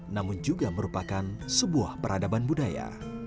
namun juga merupakan sebuah peradaban budaya